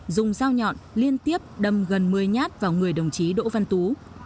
dùng dao nhọn liên tiếp đâm gần một mươi nhát vào người đồng chí đỗ văn tú